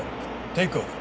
テークオフ。